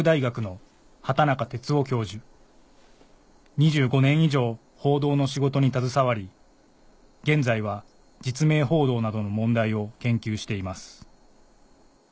２５年以上報道の仕事に携わり現在は実名報道などの問題を研究しています